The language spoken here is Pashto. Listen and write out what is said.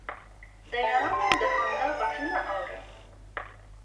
د یارانو د خندا غـــــــــــــــــږونه اورم